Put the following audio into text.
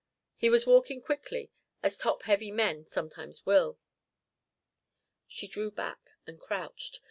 He was walking quickly, as top heavy men sometimes will. She drew back and crouched.